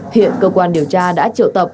hiện cơ quan điều tra đã triệu tập